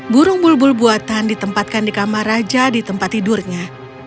burung bulbul buatan ditempatkan di kamar raja di tempat tidurnya